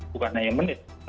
bukan hanya menit